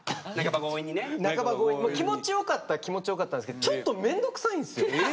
気持ち良かったは気持ち良かったんですけどちょっと面倒くさいんすよ。